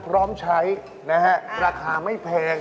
พร้อมใช้นะฮะราคาไม่แพง